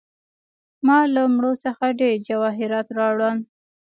ما له مړو څخه ډیر جواهرات راوړل.